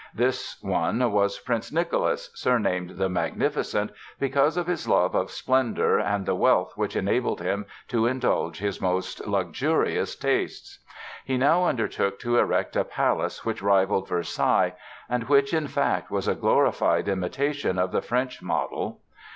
This one was Prince Nicholas, surnamed "the Magnificent", because of his love of splendor and the wealth which enabled him to indulge his most luxurious tastes. He now undertook to erect a palace which rivaled Versailles and which, in fact, was a glorified imitation of the French model.